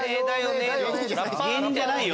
芸人じゃないよ。